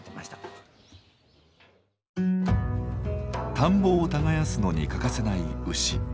田んぼを耕すのに欠かせない牛。